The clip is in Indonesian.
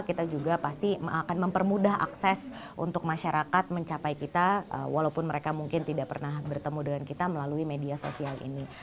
kita juga pasti akan mempermudah akses untuk masyarakat mencapai kita walaupun mereka mungkin tidak pernah bertemu dengan kita melalui media sosial ini